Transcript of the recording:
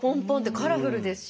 カラフルですしね。